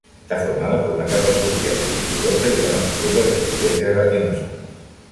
Está formada por una capa superficial fibrosa y otra más profunda de consistencia gelatinosa.